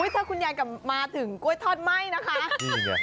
ถ้าคุณยายกลับมาถึงกล้วยทอดไหม้นะคะ